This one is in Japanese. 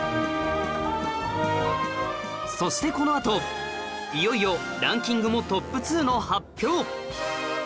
そしてこのあといよいよランキングもトップ２の発表